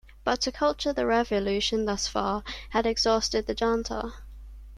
But to culture the Revolution thus far had exhausted the Junta.